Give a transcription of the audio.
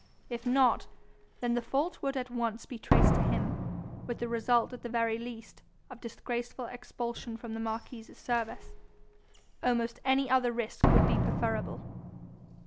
If not, then the fault would at once be traced to him, with the result at the very least, of disgraceful expulsion from the marquis's service. Almost any other risk would be preferable.